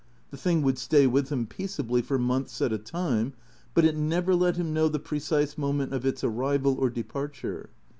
The thing would stay with him peaceably for months at a time; but it never let him know the precise moment of its arrival or departure.